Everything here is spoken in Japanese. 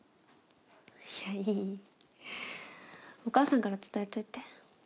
お母さんから伝えといて。